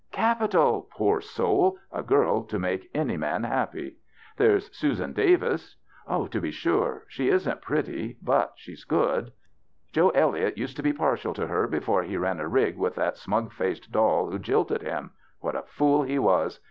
" Capital. Poor soul 1 A girl to make any man ha^^py." There's Susan Davis." To be sure. She isn't pretty, but she's good. Joe Elliott used to be partial to her before he ran a rig with that smug faced doll who jilted him. What a fool he was